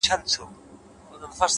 پوهه د پرمختللي ژوند بنسټ دی!